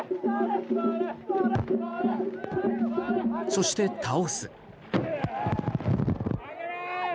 そして、倒す。